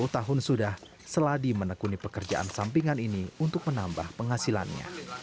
sepuluh tahun sudah seladi menekuni pekerjaan sampingan ini untuk menambah penghasilannya